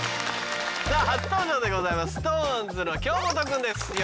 さあ初登場でございます。